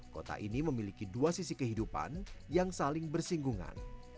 kota ini memiliki dua sisi kehidupan yang saling bersinggungan